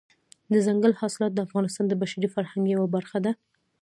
دځنګل حاصلات د افغانستان د بشري فرهنګ یوه برخه ده.